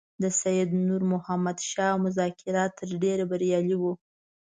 د سید نور محمد شاه مذاکرات تر ډېره بریالي وو.